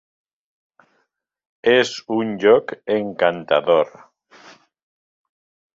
És un lloc encantador.